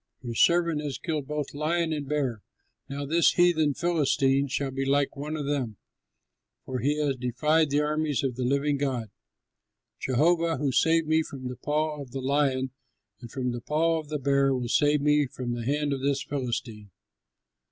Your servant has killed both lion and bear. Now this heathen Philistine shall be like one of them, for he has defied the armies of the living God. Jehovah who saved me from the paw of the lion and from the paw of the bear will save me from the hand of this Philistine."